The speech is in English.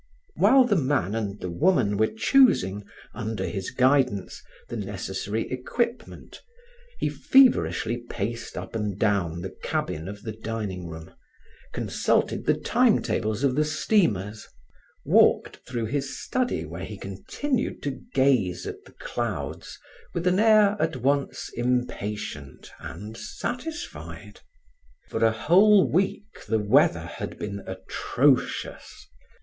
While the man and the woman were choosing, under his guidance, the necessary equipment, he feverishly paced up and down the cabin of the dining room, consulted the timetables of the steamers, walked through his study where he continued to gaze at the clouds with an air at once impatient and satisfied. For a whole week, the weather had been atrocious.